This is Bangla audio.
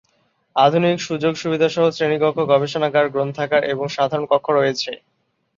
আধুনিক সুযোগ সুবিধাসহ শ্রেণীকক্ষ, গবেষণাগার, গ্রন্থাগার এবং সাধারণ কক্ষ রয়েছে।